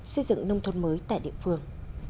xây dựng nông thôn mới tại địa phương